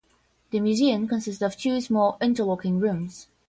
The museum consisted of two small interlocking rooms.